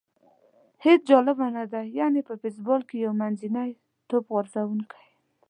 هېڅ جالبه نه ده، یعنې په بېسبال کې یو منځنی توپ غورځوونکی.